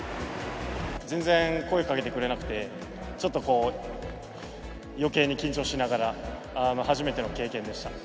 全然、声かけてくれなくて、ちょっとこう、よけいに緊張しながら、初めての経験でした。